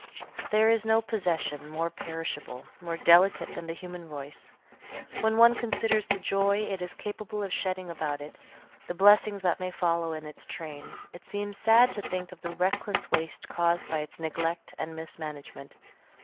There is no possession more perishable, more delicate, than the human voice. When one considers the joy it is capable of shedding about it, the blessings that may follow in its train, it seems sad to think of the reckless waste caused by its neglect and mismanagement.